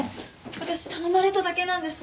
私頼まれただけなんです。